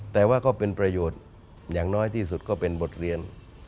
แต่ว่าก็เป็นประโยชน์อย่างน้อยที่สุดก็เป็นบทเรียน